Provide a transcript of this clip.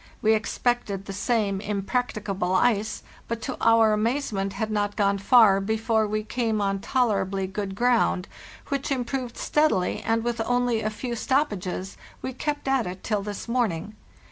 We expected the same impracticable ice, but, to our amazement, had not gone far before we came on tolerably good ground, which improved steadily, and, with only a few stoppages, we kept at it till this morning.